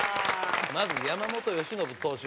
まず山本由伸投手。